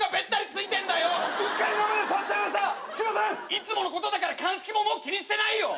いつものことだから鑑識ももう気にしてないよ！